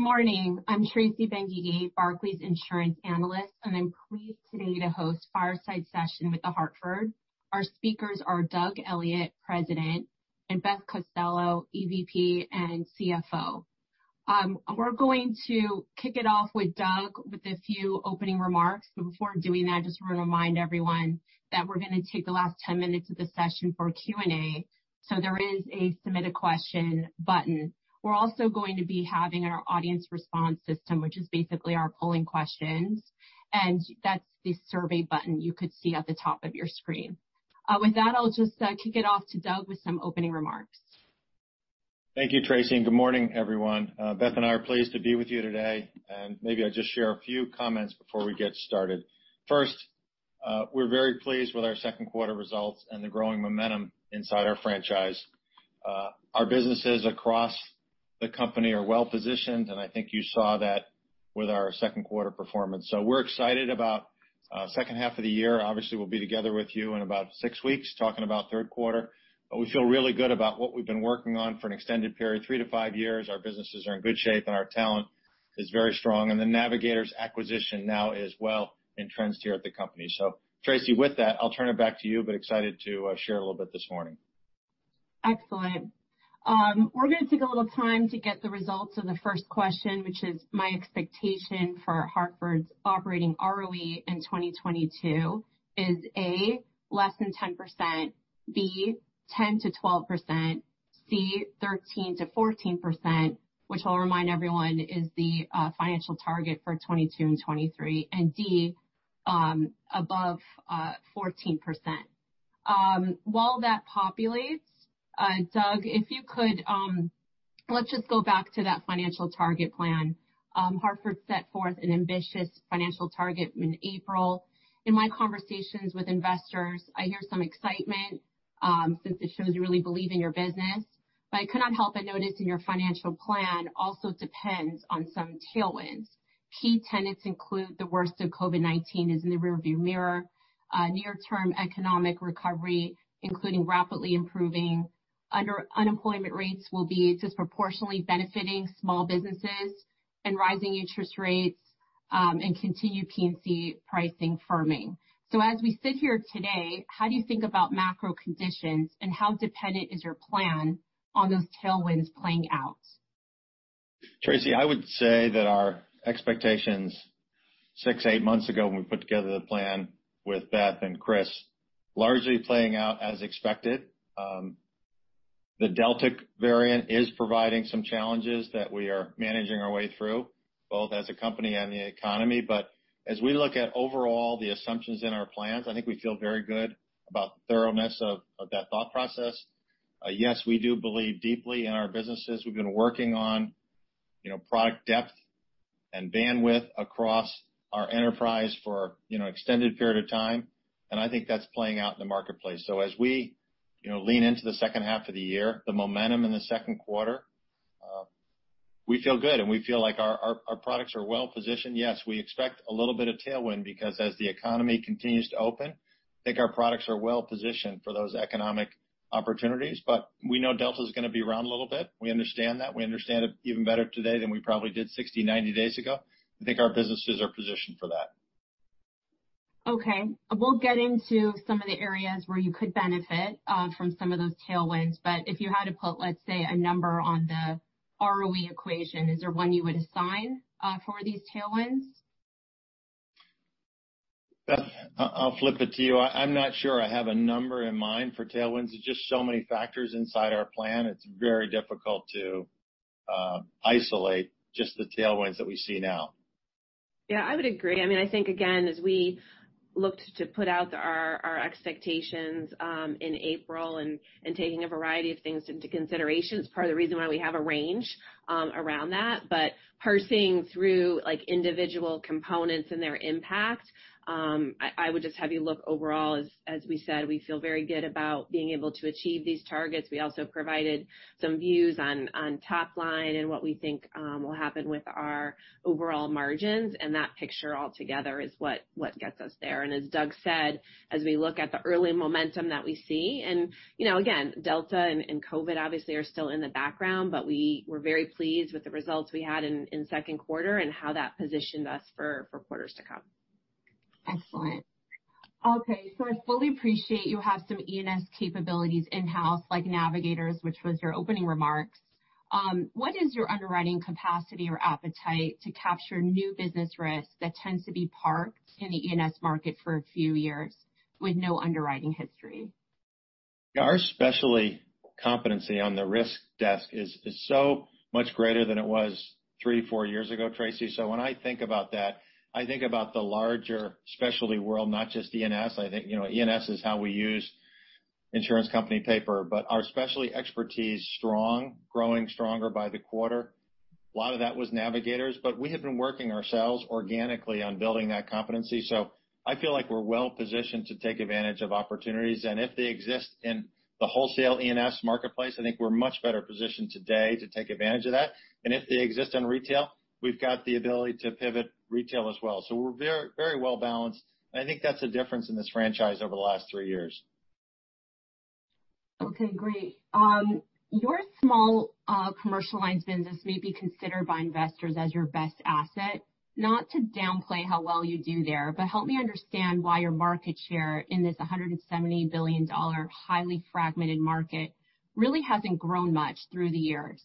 Morning. I'm Tracy Benguigui, Barclays insurance analyst, and I'm pleased today to host Fireside Session with The Hartford. Our speakers are Doug Elliot, President, and Beth Costello, EVP and CFO. We're going to kick it off with Doug with a few opening remarks. Before doing that, just want to remind everyone that we're going to take the last 10 minutes of the session for Q&A. There is a submit a question button. We're also going to be having our audience response system, which is basically our polling questions, and that's the survey button you could see at the top of your screen. With that, I'll just kick it off to Doug with some opening remarks. Thank you, Tracy, and good morning, everyone. Beth and I are pleased to be with you today, and maybe I'll just share a few comments before we get started. First, we're very pleased with our second quarter results and the growing momentum inside our franchise. Our businesses across the company are well-positioned, and I think you saw that with our second quarter performance. We're excited about second half of the year. Obviously, we'll be together with you in about six weeks talking about third quarter, but we feel really good about what we've been working on for an extended period, three to five years. Our businesses are in good shape, and our talent is very strong. The Navigators acquisition now is well entrenched here at the company. Tracy, with that, I'll turn it back to you, but excited to share a little bit this morning. Excellent. We're going to take a little time to get the results of the first question, which is my expectation for Hartford's operating ROE in 2022 is A, less than 10%, B, 10%-12%, C, 13%-14%, which I'll remind everyone is the financial target for 2022 and 2023, and D, above, 14%. While that populates, Doug, if you could, let's just go back to that financial target plan. Hartford set forth an ambitious financial target in April. In my conversations with investors, I hear some excitement, since it shows you really believe in your business. I could not help but notice in your financial plan also depends on some tailwinds. Key tenets include the worst of COVID-19 is in the rear view mirror, near-term economic recovery, including rapidly improving unemployment rates will be disproportionately benefiting small businesses, and rising interest rates, and continued P&C pricing firming. As we sit here today, how do you think about macro conditions, and how dependent is your plan on those tailwinds playing out? Tracy, I would say that our expectations six, eight months ago when we put together the plan with Beth and Chris, largely playing out as expected. The Delta variant is providing some challenges that we are managing our way through, both as a company and the economy. As we look at overall the assumptions in our plans, I think we feel very good about the thoroughness of that thought process. Yes, we do believe deeply in our businesses. We've been working on product depth and bandwidth across our enterprise for an extended period of time, and I think that's playing out in the marketplace. As we lean into the second half of the year, the momentum in the second quarter, we feel good, and we feel like our products are well positioned. Yes, we expect a little bit of tailwind because as the economy continues to open, I think our products are well positioned for those economic opportunities. We know Delta is going to be around a little bit. We understand that. We understand it even better today than we probably did 60, 90 days ago. I think our businesses are positioned for that. Okay. We'll get into some of the areas where you could benefit from some of those tailwinds. If you had to put, let's say, a number on the ROE equation, is there one you would assign for these tailwinds? Beth, I'll flip it to you. I'm not sure I have a number in mind for tailwinds. There's just so many factors inside our plan. It's very difficult to isolate just the tailwinds that we see now. Yeah, I would agree. I think, again, as we looked to put out our expectations in April and taking a variety of things into consideration, it's part of the reason why we have a range around that. Parsing through individual components and their impact, I would just have you look overall. As we said, we feel very good about being able to achieve these targets. We also provided some views on top line and what we think will happen with our overall margins, and that picture altogether is what gets us there. As Doug said, as we look at the early momentum that we see, again, Delta and COVID obviously are still in the background, but we were very pleased with the results we had in second quarter and how that positioned us for quarters to come. Excellent. Okay. I fully appreciate you have some ENS capabilities in-house, like Navigators, which was your opening remarks. What is your underwriting capacity or appetite to capture new business risk that tends to be parked in the ENS market for a few years with no underwriting history? Yeah, our specialty competency on the risk desk is so much greater than it was three, four years ago, Tracy. When I think about that, I think about the larger specialty world, not just ENS. I think ENS is how we use insurance company paper, but our specialty expertise strong, growing stronger by the quarter. A lot of that was Navigators, but we have been working ourselves organically on building that competency. I feel like we're well positioned to take advantage of opportunities. If they exist in the wholesale ENS marketplace, I think we're much better positioned today to take advantage of that. If they exist in retail, we've got the ability to pivot retail as well. We're very well balanced, and I think that's a difference in this franchise over the last three years. Okay, great. Your small commercial lines business may be considered by investors as your best asset. Not to downplay how well you do there, but help me understand why your market share in this $170 billion highly fragmented market really hasn't grown much through the years.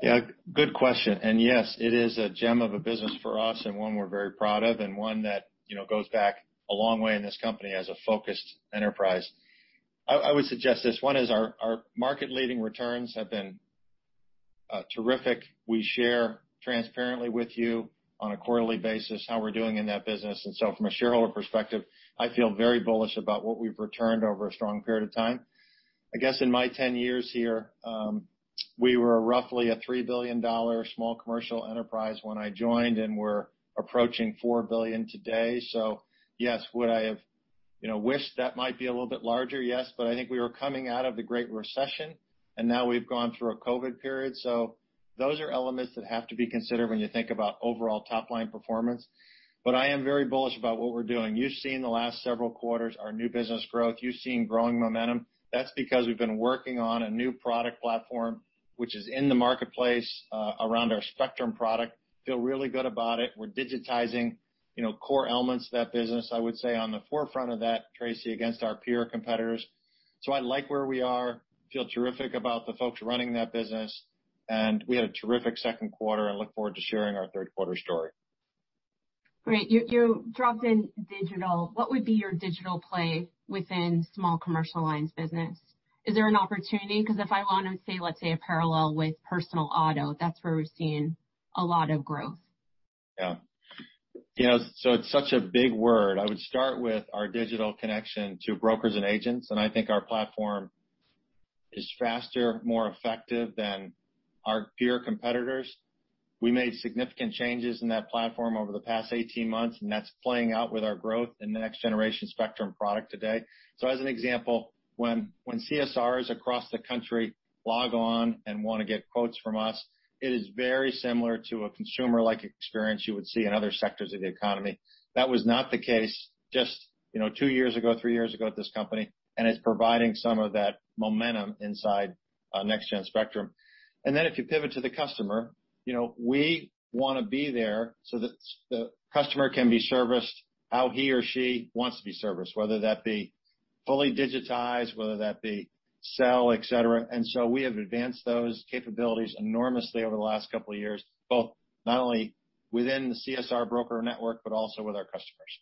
Good question. Yes, it is a gem of a business for us and one we're very proud of and one that goes back a long way in this company as a focused enterprise. I would suggest this one is our market-leading returns have been terrific. We share transparently with you on a quarterly basis how we're doing in that business. From a shareholder perspective, I feel very bullish about what we've returned over a strong period of time. I guess in my 10 years here, we were roughly a $3 billion small commercial enterprise when I joined, and we're approaching $4 billion today. Yes, would I have wished that might be a little bit larger? Yes, I think we were coming out of the Great Recession, and now we've gone through a COVID period, so those are elements that have to be considered when you think about overall top-line performance. I am very bullish about what we're doing. You've seen the last several quarters, our new business growth. You've seen growing momentum. That's because we've been working on a new product platform, which is in the marketplace, around our Spectrum product. Feel really good about it. We're digitizing core elements of that business, I would say, on the forefront of that, Tracy, against our peer competitors. I like where we are, feel terrific about the folks running that business, and we had a terrific second quarter and look forward to sharing our third quarter story. Great. You dropped in digital. What would be your digital play within small commercial lines business? Is there an opportunity? Because if I want to say, let's say, a parallel with personal auto, that's where we're seeing a lot of growth. It's such a big word. I would start with our digital connection to brokers and agents, I think our platform is faster, more effective than our peer competitors. We made significant changes in that platform over the past 18 months, and that's playing out with our growth in the Next Generation Spectrum product today. As an example, when CSRs across the country log on and want to get quotes from us, it is very similar to a consumer-like experience you would see in other sectors of the economy. That was not the case just two years ago, three years ago at this company. It's providing some of that momentum inside Next Gen Spectrum. If you pivot to the customer, we want to be there so that the customer can be serviced how he or she wants to be serviced, whether that be fully digitized, whether that be sell, et cetera. We have advanced those capabilities enormously over the last couple of years, both not only within the CSR broker network but also with our customers.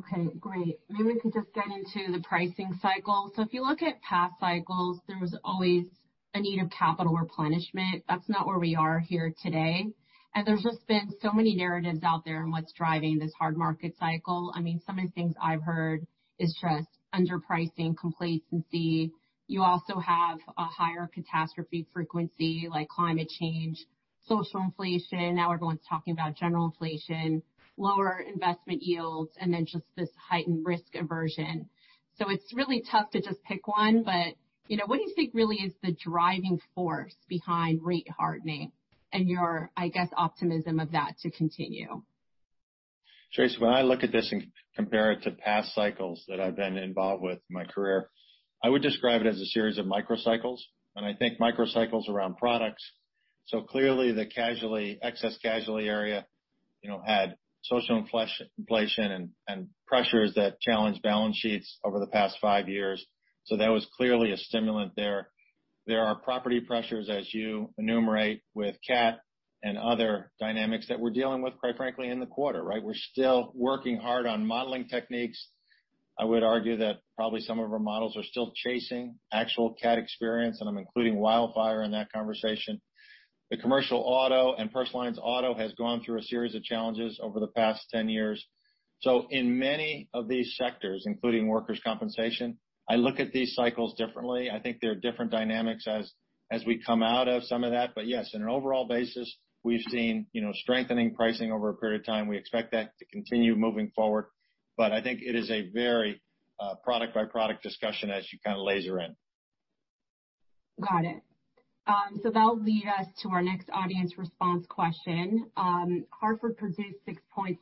Okay, great. Maybe we could just get into the pricing cycle. If you look at past cycles, there was always a need of capital replenishment. That's not where we are here today. There's just been so many narratives out there in what's driving this hard market cycle. Some of the things I've heard is trust, underpricing, complacency. You also have a higher catastrophe frequency like climate change, social inflation. Now everyone's talking about general inflation, lower investment yields, just this heightened risk aversion. It's really tough to just pick one. What do you think really is the driving force behind rate hardening and your, I guess, optimism of that to continue? Tracy, when I look at this and compare it to past cycles that I've been involved with in my career, I would describe it as a series of microcycles and I think microcycles around products. Clearly, the excess casualty area had social inflation and pressures that challenged balance sheets over the past five years. That was clearly a stimulant there. There are property pressures, as you enumerate with CAT and other dynamics that we're dealing with, quite frankly, in the quarter, right? We're still working hard on modeling techniques. I would argue that probably some of our models are still chasing actual CAT experience, and I'm including wildfire in that conversation. The commercial auto and personal lines auto has gone through a series of challenges over the past 10 years. In many of these sectors, including workers' compensation, I look at these cycles differently. I think there are different dynamics as we come out of some of that. Yes, on an overall basis, we've seen strengthening pricing over a period of time. We expect that to continue moving forward. I think it is a very product-by-product discussion as you kind of laser in. Got it. That'll lead us to our next audience response question. Hartford produced 6.6%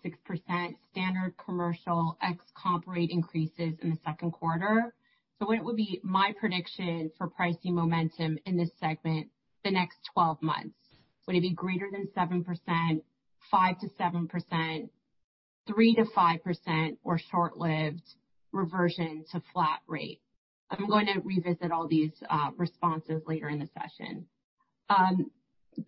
standard commercial ex-comp rate increases in the second quarter. What would be my prediction for pricing momentum in this segment the next 12 months? Would it be greater than 7%, 5%-7%, 3%-5%, or short-lived reversion to flat rate? I'm going to revisit all these responses later in the session.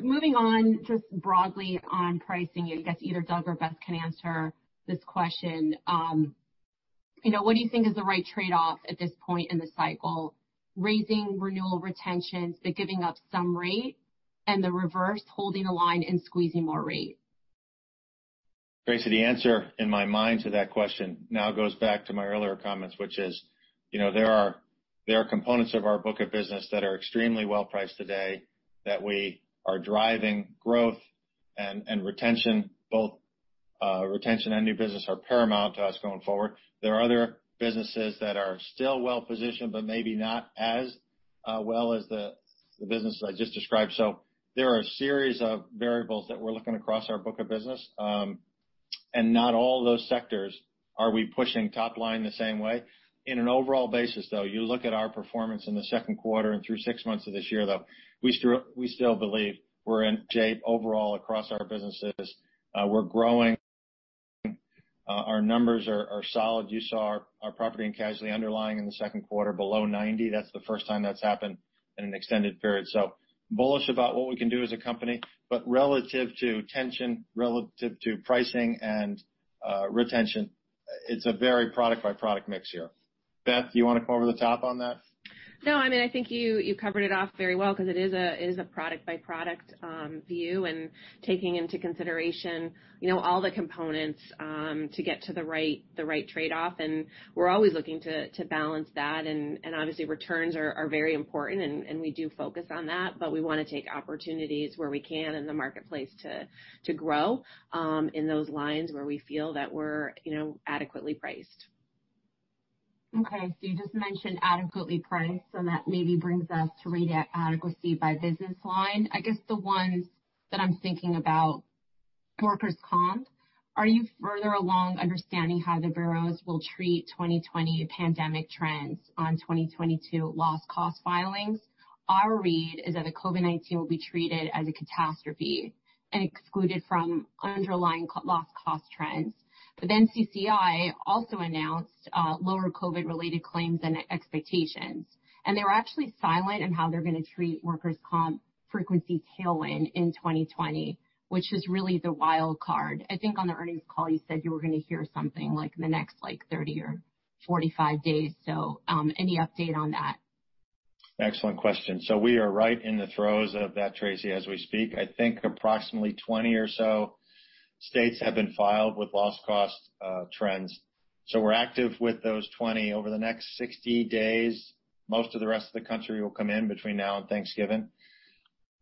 Moving on, just broadly on pricing, I guess either Doug or Beth can answer this question. What do you think is the right trade-off at this point in the cycle, raising renewal retentions, giving up some rate, and the reverse, holding the line and squeezing more rate? Tracy, the answer in my mind to that question now goes back to my earlier comments, which is, there are components of our book of business that are extremely well-priced today that we are driving growth and retention, both retention and new business are paramount to us going forward. There are other businesses that are still well-positioned, but maybe not as well as the business I just described. There are a series of variables that we're looking across our book of business, and not all those sectors are we pushing top line the same way. In an overall basis, though, you look at our performance in the second quarter and through six months of this year, though, we still believe we're in shape overall across our businesses. We're growing. Our numbers are solid. You saw our P&C underlying in the second quarter below 90. That's the first time that's happened in an extended period. Bullish about what we can do as a company. Relative to tension, relative to pricing and retention, it's a very product-by-product mix here. Beth, do you want to come over the top on that? I think you covered it off very well because it is a product-by-product view and taking into consideration all the components, to get to the right trade-off, and we're always looking to balance that, and obviously, returns are very important, and we do focus on that, but we want to take opportunities where we can in the marketplace to grow, in those lines where we feel that we're adequately priced. Okay. You just mentioned adequately priced, that maybe brings us to rate adequacy by business line. I guess the ones that I am thinking about, workers' comp. Are you further along understanding how the bureaus will treat 2020 pandemic trends on 2022 loss cost filings? Our read is that the COVID-19 will be treated as a catastrophe and excluded from underlying loss cost trends. NCCI also announced lower COVID-related claims than expectations, they were actually silent on how they are going to treat workers' comp frequency tailwind in 2020, which is really the wild card. I think on the earnings call, you said you were going to hear something like in the next 30 or 45 days. Any update on that? Excellent question. We are right in the throes of that, Tracy, as we speak. I think approximately 20 or so states have been filed with loss cost trends. We are active with those 20. Over the next 60 days, most of the rest of the country will come in between now and Thanksgiving.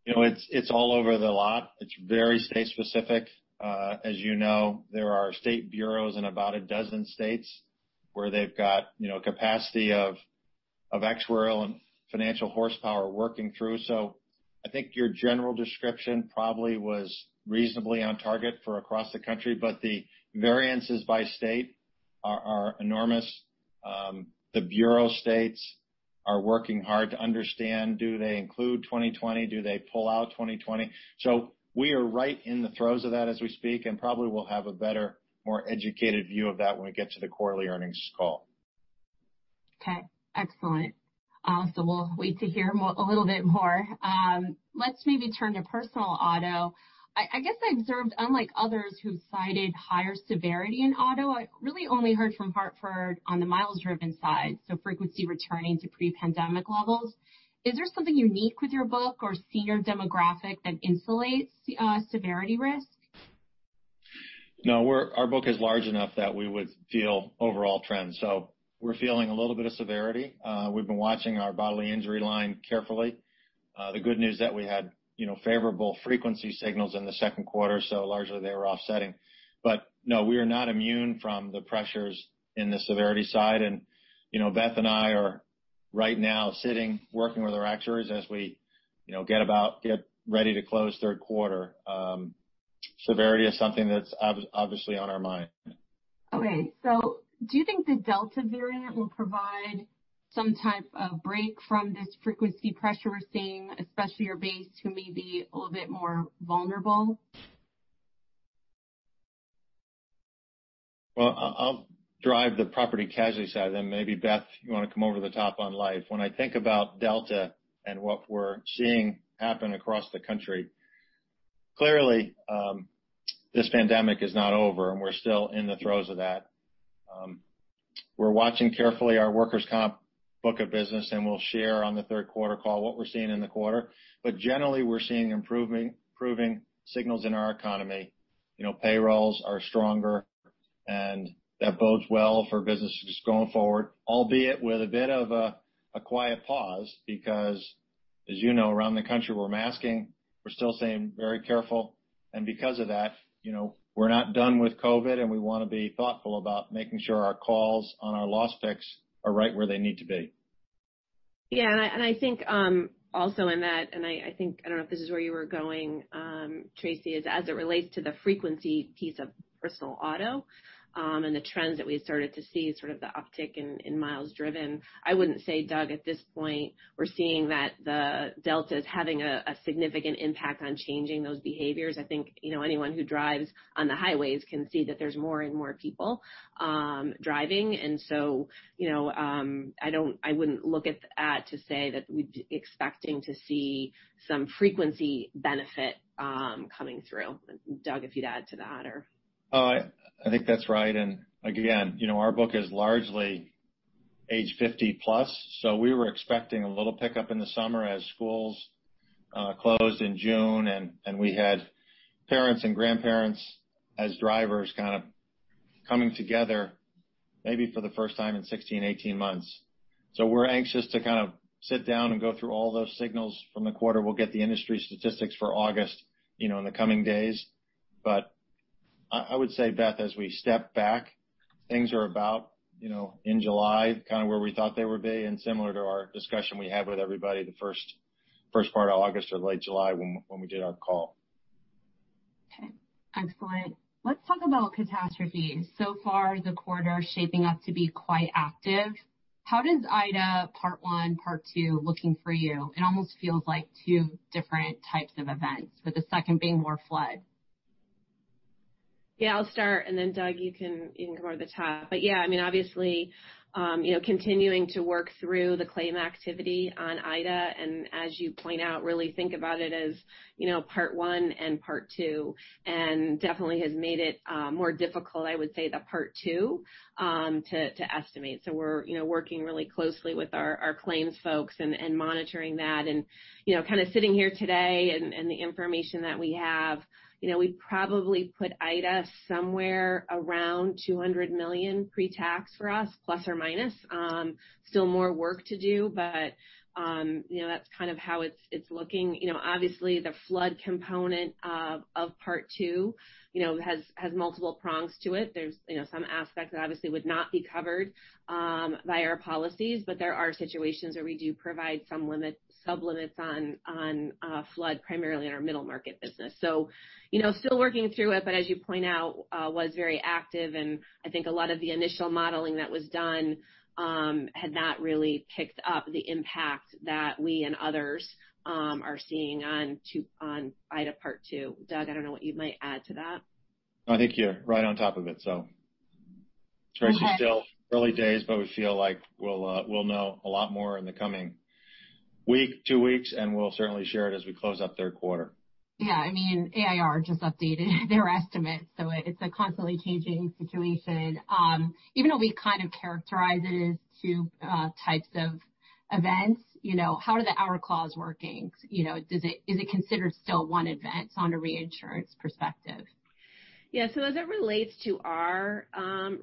It is all over the lot. It is very state specific. As you know, there are state bureaus in about a dozen states where they have got capacity of actuarial and financial horsepower working through. I think your general description probably was reasonably on target for across the country, but the variances by state are enormous. The bureau states are working hard to understand, do they include 2020? Do they pull out 2020? We are right in the throes of that as we speak, and probably we will have a better, more educated view of that when we get to the quarterly earnings call. Okay. Excellent. We will wait to hear a little bit more. Let us maybe turn to personal auto. I guess I observed, unlike others who have cited higher severity in auto, I really only heard from The Hartford on the miles driven side, frequency returning to pre-pandemic levels. Is there something unique with your book or senior demographic that insulates severity risk? Our book is large enough that we would feel overall trends. We're feeling a little bit of severity. We've been watching our bodily injury line carefully. The good news that we had favorable frequency signals in the second quarter, largely they were offsetting. We are not immune from the pressures in the severity side. Beth and I are right now sitting, working with our actuaries as we get ready to close third quarter. Severity is something that's obviously on our mind. Do you think the Delta variant will provide some type of break from this frequency pressure we're seeing, especially your base, who may be a little bit more vulnerable? I'll drive the property casualty side, maybe, Beth, you want to come over the top on life. When I think about Delta and what we're seeing happen across the country, clearly, this pandemic is not over and we're still in the throes of that. We're watching carefully our workers' comp book of business, we'll share on the third quarter call what we're seeing in the quarter. Generally, we're seeing improving signals in our economy. Payrolls are stronger, that bodes well for business just going forward, albeit with a bit of a quiet pause because as you know, around the country, we're masking, we're still staying very careful, because of that, we're not done with COVID, and we want to be thoughtful about making sure our calls on our loss picks are right where they need to be. I think also in that, I don't know if this is where you were going, Tracy, is as it relates to the frequency piece of personal auto, the trends that we started to see, sort of the uptick in miles driven. I wouldn't say, Doug, at this point, we're seeing that the Delta is having a significant impact on changing those behaviors. I think anyone who drives on the highways can see that there's more and more people driving. I wouldn't look at that to say that we're expecting to see some frequency benefit coming through. Doug, if you'd add to that or I think that's right. Again, our book is largely age 50+, so we were expecting a little pickup in the summer as schools closed in June, and we had parents and grandparents as drivers kind of coming together maybe for the first time in 16, 18 months. We're anxious to kind of sit down and go through all those signals from the quarter. We'll get the industry statistics for August in the coming days. I would say, Beth, as we step back, things are about, in July, kind of where we thought they would be, and similar to our discussion we had with everybody the first part of August or late July when we did our call. Okay. Excellent. Let's talk about catastrophes. So far, the quarter's shaping up to be quite active. How does Ida part 1, part 2 looking for you? It almost feels like 2 different types of events, with the second being more flood. Yeah, I'll start, then Doug, you can come over the top. Yeah, obviously, continuing to work through the claim activity on Ida, and as you point out, really think about it as part 1 and part 2, and definitely has made it more difficult, I would say, the part 2, to estimate. We're working really closely with our claims folks and monitoring that. Sitting here today and the information that we have, we probably put Ida somewhere around $200 million pre-tax for us, ±. Still more work to do, but that's kind of how it's looking. Obviously, the flood component of part 2 has multiple prongs to it. There's some aspects that obviously would not be covered by our policies, but there are situations where we do provide some sub-limits on flood, primarily in our middle market business. Still working through it, but as you point out, was very active and I think a lot of the initial modeling that was done had not really picked up the impact that we and others are seeing on Ida part 2. Doug, I don't know what you might add to that. No, I think you're right on top of it. Tracy- Okay It's still early days, we feel like we'll know a lot more in the coming week, two weeks, we'll certainly share it as we close up third quarter. Yeah. AIR just updated their estimates, it's a constantly changing situation. Even though we kind of characterize it as 2 types of events, how are the hours clause working? Is it considered still one event on a reinsurance perspective? Yeah. As it relates to our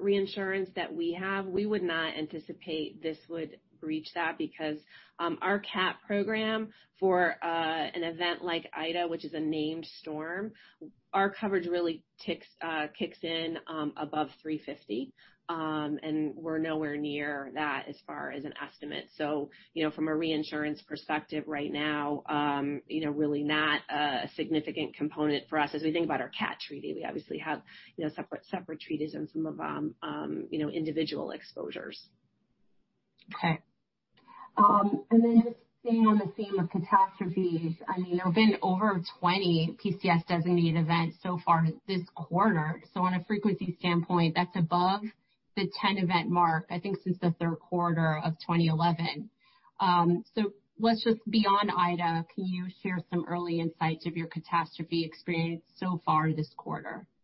reinsurance that we have, we would not anticipate this would breach that because our CAT program for an event like Ida, which is a named storm, our coverage really kicks in above $350, we're nowhere near that as far as an estimate. From a reinsurance perspective right now, really not a significant component for us. As we think about our CAT treaty, we obviously have separate treaties and some individual exposures. Okay. Just staying on the theme of catastrophes. There've been over 20 PCS designated events so far this quarter. On a frequency standpoint, that's above the 10 event mark, I think since the third quarter of 2011. Let's just, beyond Ida, can you share some early insights of your catastrophe experience so far this quarter? Yeah.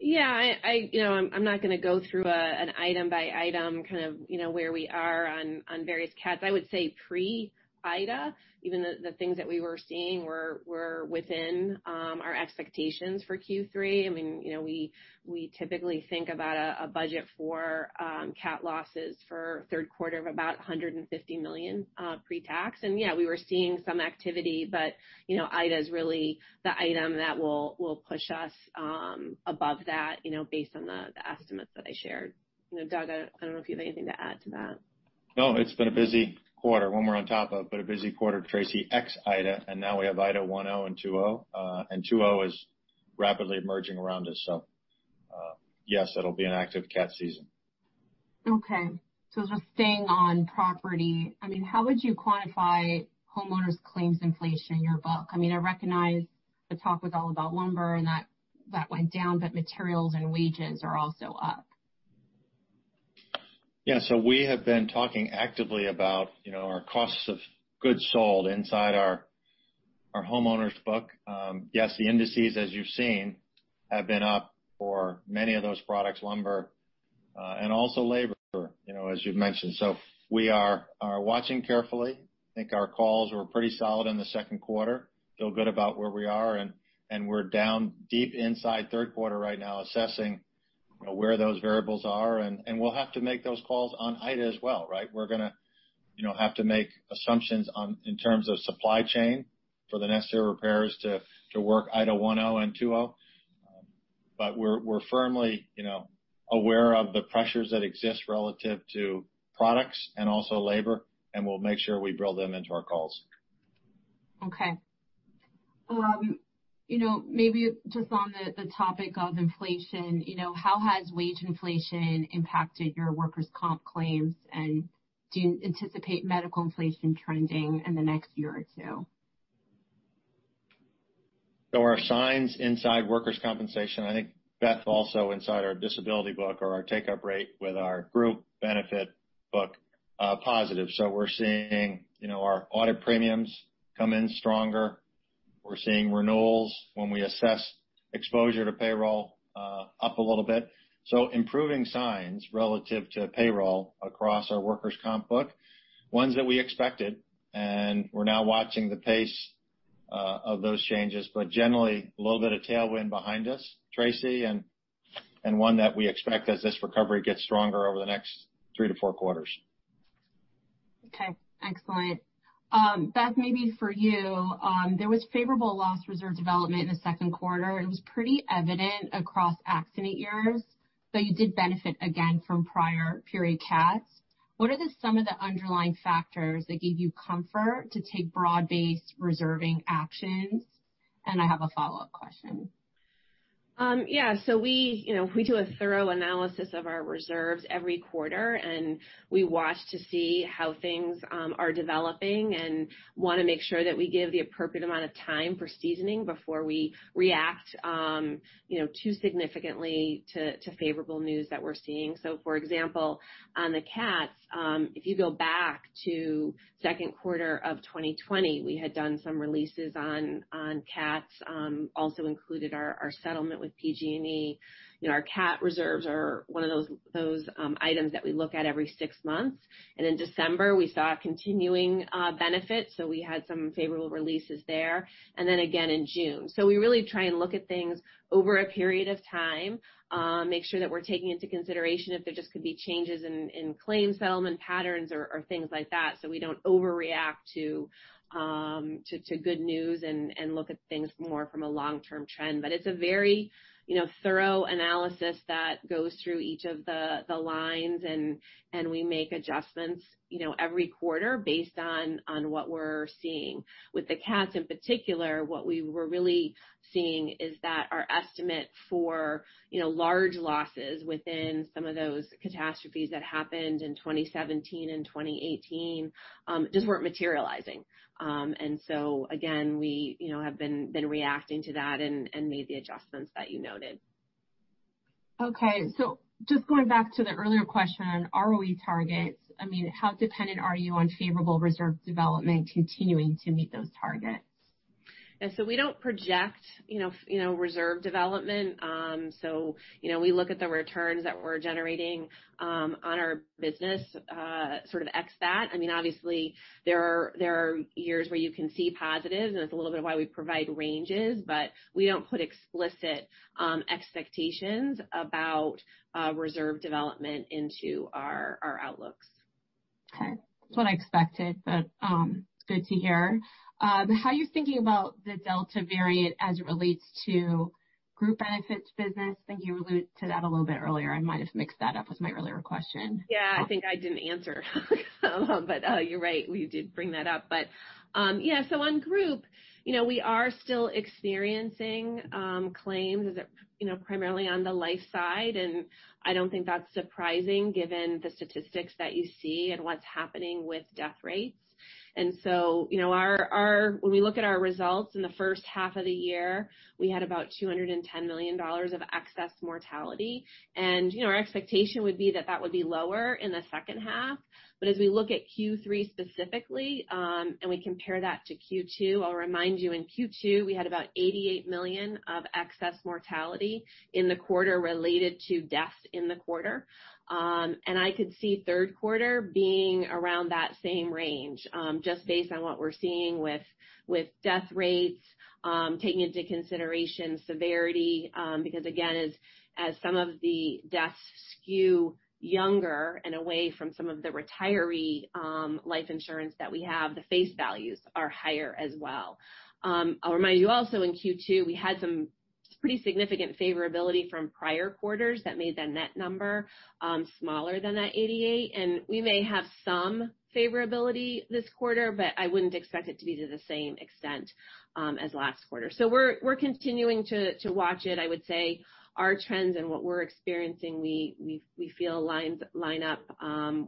I'm not going to go through an item by item, where we are on various CATs. I would say pre-Ida, even the things that we were seeing were within our expectations for Q3. We typically think about a budget for CAT losses for third quarter of about $150 million pre-tax. Yeah, we were seeing some activity, but Ida is really the item that will push us above that based on the estimates that I shared. Doug, I don't know if you have anything to add to that. No, it's been a busy quarter. One we're on top of, but a busy quarter, Tracy, ex Ida, and now we have Ida 1-0 and 2-0, and 2-0 is rapidly emerging around us. Yes, it'll be an active CAT season. Okay. Just staying on property, how would you quantify homeowners' claims inflation in your book? I recognize the talk was all about lumber and that went down, but materials and wages are also up. Yeah. We have been talking actively about our costs of goods sold inside our homeowner's book. Yes, the indices, as you've seen, have been up for many of those products, lumber, and also labor, as you've mentioned. We are watching carefully. I think our calls were pretty solid in the second quarter. Feel good about where we are, and we're down deep inside third quarter right now, assessing where those variables are, and we'll have to make those calls on Ida as well, right? We're going to have to make assumptions in terms of supply chain for the necessary repairs to work Ida 1-0 and 2-0. We're firmly aware of the pressures that exist relative to products and also labor, and we'll make sure we build them into our calls. Okay. Maybe just on the topic of inflation, how has wage inflation impacted your workers' comp claims, and do you anticipate medical inflation trending in the next year or two? There are signs inside workers' compensation, I think, Beth, also inside our disability book or our take-up rate with our group benefit book, positive. We're seeing our audit premiums come in stronger. We're seeing renewals when we assess exposure to payroll up a little bit. Improving signs relative to payroll across our workers' comp book, ones that we expected, and we're now watching the pace of those changes. Generally, a little bit of tailwind behind us, Tracy, and one that we expect as this recovery gets stronger over the next three to four quarters. Okay, excellent. Beth, maybe for you, there was favorable loss reserve development in the second quarter, and it was pretty evident across accident years, but you did benefit again from prior period CATs. What are some of the underlying factors that give you comfort to take broad-based reserving actions? I have a follow-up question. Yeah. We do a thorough analysis of our reserves every quarter. We watch to see how things are developing and want to make sure that we give the appropriate amount of time for seasoning before we react too significantly to favorable news that we're seeing. For example, on the CATs, if you go back to second quarter of 2020, we had done some releases on CATs, also included our settlement with PG&E. Our CAT reserves are one of those items that we look at every six months. In December, we saw a continuing benefit. We had some favorable releases there, and then again in June. We really try and look at things over a period of time, make sure that we're taking into consideration if there just could be changes in claim settlement patterns or things like that so we don't overreact to good news and look at things more from a long-term trend. It's a very thorough analysis that goes through each of the lines, and we make adjustments every quarter based on what we're seeing. With the CATs in particular, what we were really seeing is that our estimate for large losses within some of those catastrophes that happened in 2017 and 2018 just weren't materializing. Again, we have been reacting to that and made the adjustments that you noted. Okay. Just going back to the earlier question on ROE targets, how dependent are you on favorable reserve development continuing to meet those targets? We don't project reserve development. We look at the returns that we're generating on our business, sort of ex that. Obviously, there are years where you can see positives. It's a little bit why we provide ranges, but we don't put explicit expectations about reserve development into our outlooks. Okay. That's what I expected, but it's good to hear. How are you thinking about the Delta variant as it relates to Group Benefits business? I think you alluded to that a little bit earlier. I might have mixed that up with my earlier question. I think I didn't answer, you're right, we did bring that up. On Group, we are still experiencing claims primarily on the Life side, I don't think that's surprising given the statistics that you see and what's happening with death rates. When we look at our results in the first half of the year, we had about $210 million of excess mortality, our expectation would be that that would be lower in the second half. As we look at Q3 specifically, we compare that to Q2, I'll remind you, in Q2, we had about $88 million of excess mortality in the quarter related to deaths in the quarter. I could see third quarter being around that same range, just based on what we're seeing with death rates, taking into consideration severity, because again, as some of the deaths skew younger and away from some of the retiree life insurance that we have, the face values are higher as well. I'll remind you also in Q2, we had some pretty significant favorability from prior quarters that made the net number smaller than that $88, and we may have some favorability this quarter, but I wouldn't expect it to be to the same extent as last quarter. We're continuing to watch it. I would say our trends and what we're experiencing, we feel line up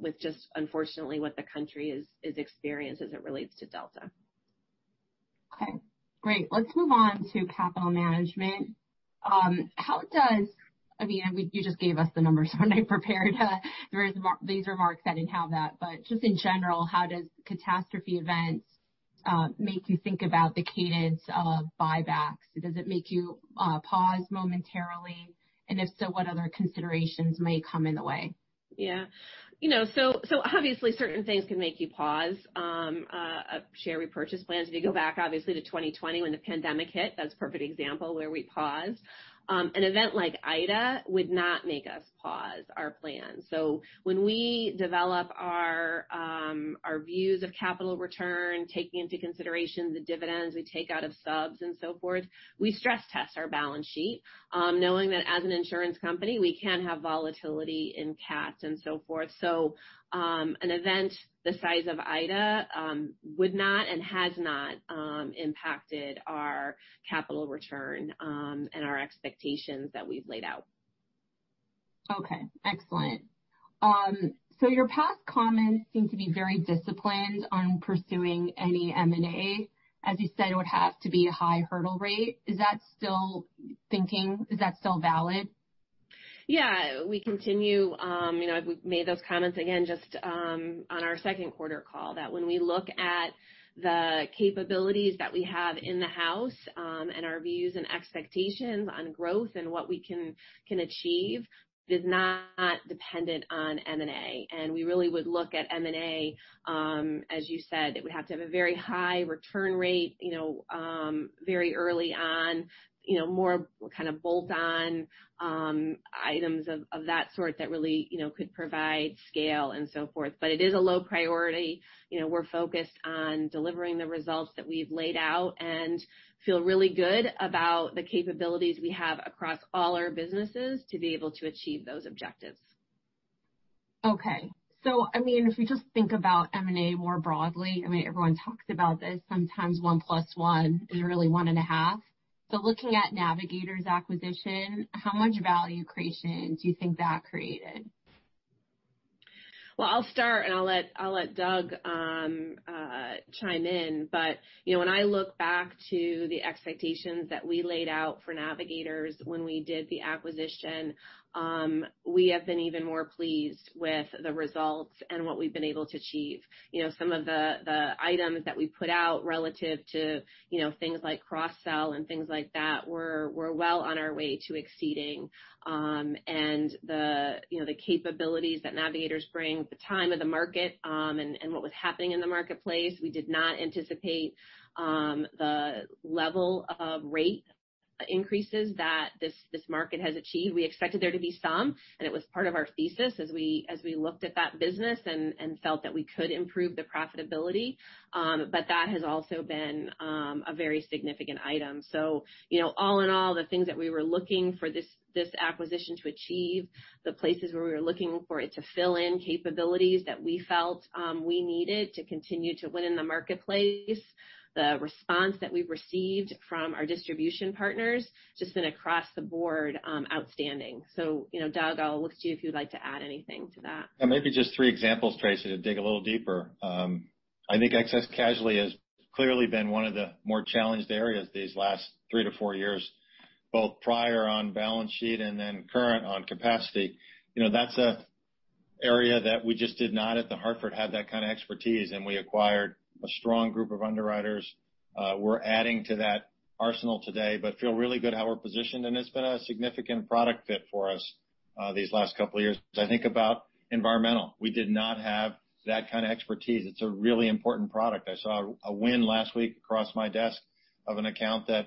with just unfortunately what the country is experiencing as it relates to Delta. Okay, great. Let's move on to capital management. You just gave us the numbers when I prepared these remarks. I didn't have that. Just in general, how does catastrophe events make you think about the cadence of buybacks? Does it make you pause momentarily, and if so, what other considerations may come in the way? Yeah. Obviously, certain things can make you pause share repurchase plans. If you go back, obviously, to 2020 when the pandemic hit, that was a perfect example where we paused. An event like Ida would not make us pause our plan. When we develop our views of capital return, taking into consideration the dividends we take out of subs and so forth, we stress test our balance sheet, knowing that as an insurance company, we can have volatility in CATs and so forth. An event the size of Ida would not, and has not, impacted our capital return and our expectations that we've laid out. Okay. Excellent. Your past comments seem to be very disciplined on pursuing any M&A. As you said, it would have to be a high hurdle rate. Is that still thinking, is that still valid? Yeah. We've made those comments again just on our second quarter call, that when we look at the capabilities that we have in the house, and our views and expectations on growth and what we can achieve, it is not dependent on M&A. We really would look at M&A, as you said, it would have to have a very high return rate very early on, more kind of bolt-on items of that sort that really could provide scale and so forth. It is a low priority. We're focused on delivering the results that we've laid out and feel really good about the capabilities we have across all our businesses to be able to achieve those objectives. Okay. If we just think about M&A more broadly, everyone talks about this, sometimes one plus one is really one and a half. Looking at Navigators acquisition, how much value creation do you think that created? I'll start, and I'll let Doug chime in. When I look back to the expectations that we laid out for Navigators when we did the acquisition, we have been even more pleased with the results and what we've been able to achieve. Some of the items that we put out relative to things like cross-sell and things like that, we're well on our way to exceeding. The capabilities that Navigators bring, the time of the market, and what was happening in the marketplace, we did not anticipate the level of rate increases that this market has achieved. We expected there to be some, and it was part of our thesis as we looked at that business and felt that we could improve the profitability. That has also been a very significant item. All in all, the things that we were looking for this acquisition to achieve, the places where we were looking for it to fill in capabilities that we felt we needed to continue to win in the marketplace, the response that we've received from our distribution partners, just been across the board outstanding. Doug, I'll look to you if you'd like to add anything to that. Maybe just three examples, Tracy, to dig a little deeper. I think excess casualty has clearly been one of the more challenged areas these last 3-4 years, both prior on balance sheet and then current on capacity. That's a area that we just did not, at The Hartford, have that kind of expertise, and we acquired a strong group of underwriters. We're adding to that arsenal today, but feel really good how we're positioned, and it's been a significant product fit for us these last couple of years. As I think about environmental, we did not have that kind of expertise. It's a really important product. I saw a win last week cross my desk of an account that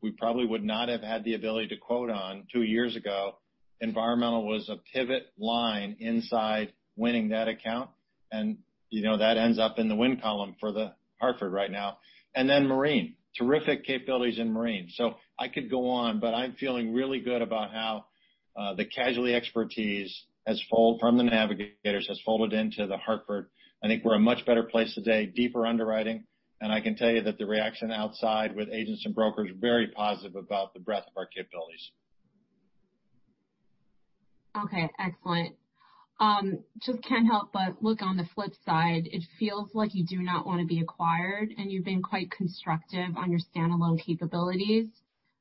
we probably would not have had the ability to quote on two years ago. Environmental was a pivot line inside winning that account, and that ends up in the win column for The Hartford right now. Then marine. Terrific capabilities in marine. I could go on, but I'm feeling really good about how the casualty expertise from the Navigators has folded into The Hartford. I think we're in a much better place today, deeper underwriting, and I can tell you that the reaction outside with agents and brokers, very positive about the breadth of our capabilities. Okay, excellent. Just can't help but look on the flip side. It feels like you do not want to be acquired, and you've been quite constructive on your standalone capabilities.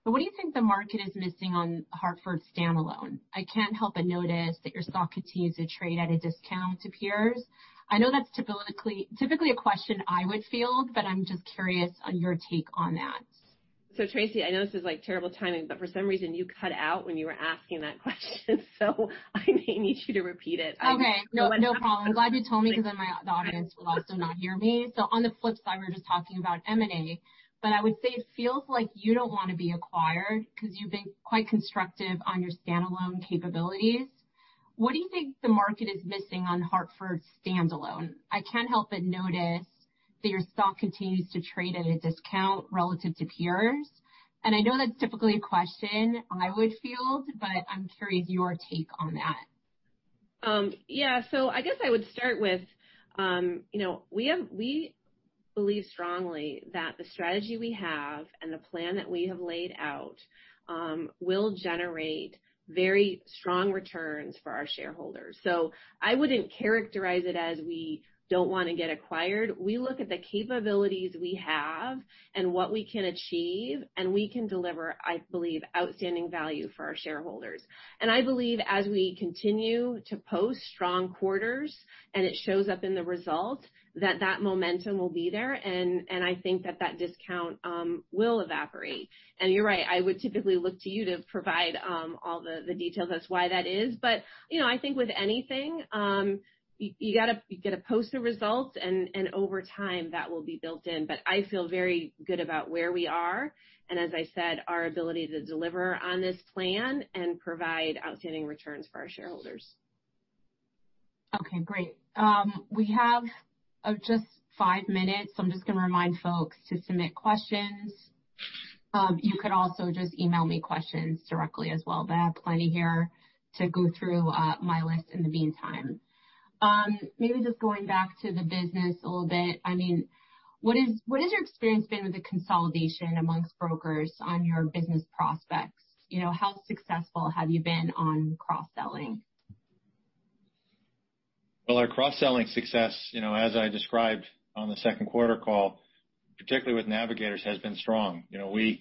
What do you think the market is missing on The Hartford standalone? I can't help but notice that your stock continues to trade at a discount to peers. I know that's typically a question I would field, but I'm just curious on your take on that. Tracy, I know this is terrible timing, but for some reason, you cut out when you were asking that question. I may need you to repeat it. Okay. No problem. I'm glad you told me because the audience will also not hear me. On the flip side, we were just talking about M&A, but I would say it feels like you don't want to be acquired because you've been quite constructive on your standalone capabilities. What do you think the market is missing on The Hartford standalone? I can't help but notice that your stock continues to trade at a discount relative to peers, I know that's typically a question I would field, but I'm curious your take on that. Yeah. I guess I would start with, we believe strongly that the strategy we have and the plan that we have laid out will generate very strong returns for our shareholders. I wouldn't characterize it as we don't want to get acquired. We look at the capabilities we have and what we can achieve, and we can deliver, I believe, outstanding value for our shareholders. I believe as we continue to post strong quarters, and it shows up in the results, that that momentum will be there, and I think that that discount will evaporate. You're right, I would typically look to you to provide all the details as to why that is. I think with anything, you got to post the results, and over time, that will be built in. I feel very good about where we are, and as I said, our ability to deliver on this plan and provide outstanding returns for our shareholders. Okay, great. We have just five minutes. I'm just going to remind folks to submit questions. You could also just email me questions directly as well, but I have plenty here to go through my list in the meantime. Maybe just going back to the business a little bit. What has your experience been with the consolidation amongst brokers on your business prospects? How successful have you been on cross-selling? Well, our cross-selling success, as I described on the second quarter call, particularly with Navigators, has been strong. We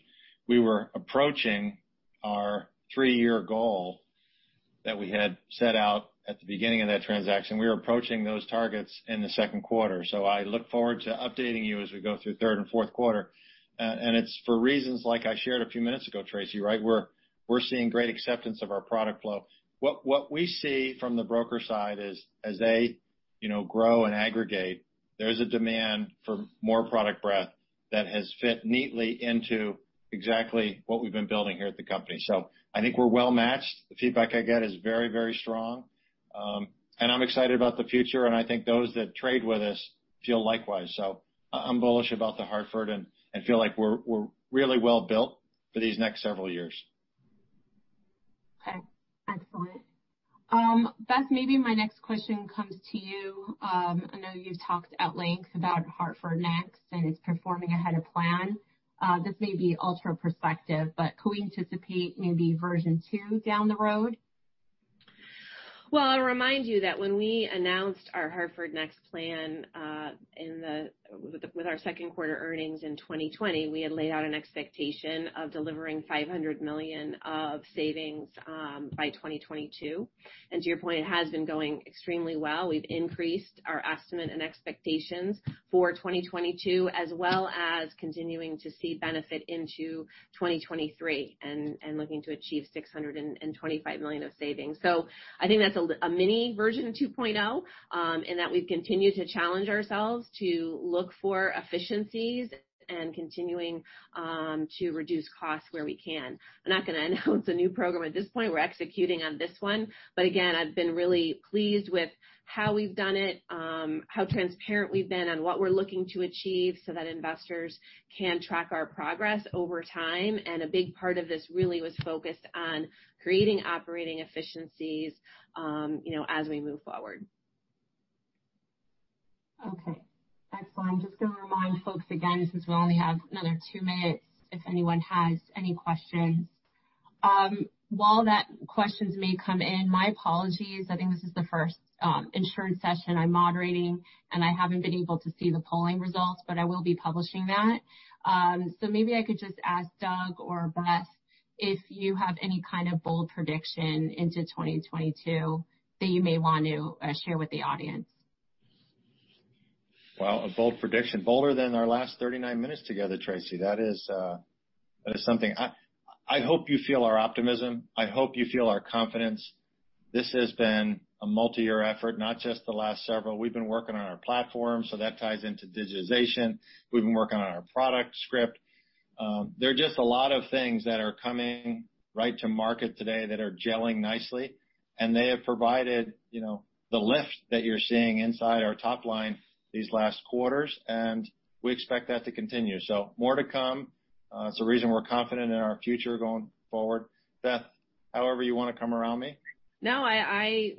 were approaching our three-year goal that we had set out at the beginning of that transaction. We were approaching those targets in the second quarter. I look forward to updating you as we go through third and fourth quarter. It's for reasons like I shared a few minutes ago, Tracy, right? We're seeing great acceptance of our product flow. What we see from the broker side is as they grow and aggregate, there's a demand for more product breadth that has fit neatly into exactly what we've been building here at the company. I think we're well matched. The feedback I get is very, very strong. I'm excited about the future, and I think those that trade with us feel likewise. I'm bullish about The Hartford and feel like we're really well built for these next several years. Okay. Excellent. Beth, maybe my next question comes to you. I know you've talked at length about Hartford NEXT, and it's performing ahead of plan. This may be ultra perspective, but could we anticipate maybe version two down the road? I'll remind you that when we announced our Hartford NEXT plan with our second quarter earnings in 2020, we had laid out an expectation of delivering $500 million of savings by 2022. To your point, it has been going extremely well. We've increased our estimate and expectations for 2022, as well as continuing to see benefit into 2023 and looking to achieve $625 million of savings. I think that's a mini version 2.0 in that we've continued to challenge ourselves to look for efficiencies and continuing to reduce costs where we can. I'm not going to announce a new program at this point. We're executing on this one. Again, I've been really pleased with how we've done it, how transparent we've been on what we're looking to achieve so that investors can track our progress over time. A big part of this really was focused on creating operating efficiencies as we move forward. Okay, excellent. Just going to remind folks again, since we only have another two minutes, if anyone has any questions. While that questions may come in, my apologies, I think this is the first insurance session I'm moderating, and I haven't been able to see the polling results, but I will be publishing that. Maybe I could just ask Doug or Beth if you have any kind of bold prediction into 2022 that you may want to share with the audience. Well, a bold prediction, bolder than our last 39 minutes together, Tracy. That is something. I hope you feel our optimism. I hope you feel our confidence. This has been a multi-year effort, not just the last several. We've been working on our platform, so that ties into digitization. We've been working on our product suite. There are just a lot of things that are coming right to market today that are gelling nicely, and they have provided the lift that you're seeing inside our top line these last quarters, and we expect that to continue. More to come. It's the reason we're confident in our future going forward. Beth, however you want to come around me. No, I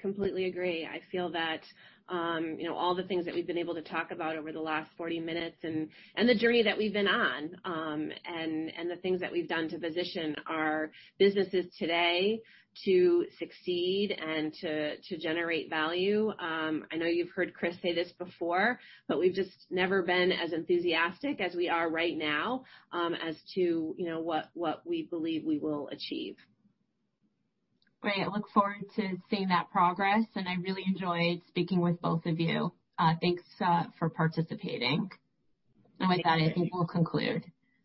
completely agree. I feel that all the things that we've been able to talk about over the last 40 minutes and the journey that we've been on, and the things that we've done to position our businesses today to succeed and to generate value. I know you've heard Chris say this before, but we've just never been as enthusiastic as we are right now as to what we believe we will achieve. Great. Look forward to seeing that progress, and I really enjoyed speaking with both of you. Thanks for participating. With that, I think we'll conclude.